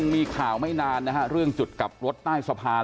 มีข่าวไม่นานนะฮะเรื่องจุดกลับรถใต้สะพาน